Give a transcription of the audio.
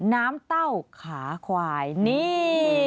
น้ำเต้าขาควายนี่